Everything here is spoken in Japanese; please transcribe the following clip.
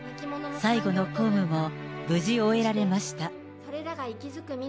最後の公務も、無事終えられました。